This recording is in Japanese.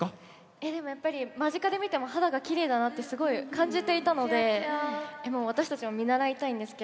えでもやっぱり間近で見ても肌がきれいだなってすごい感じていたので私たちも見習いたいんですけども。